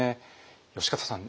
善方さん